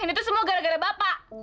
ini tuh semua gara gara bapak